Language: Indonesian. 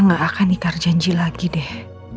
gak akan ikar janji lagi deh